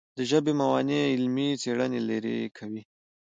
د ژبې موانع علمي څېړنې لیرې کوي.